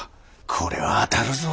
これは当たるぞ。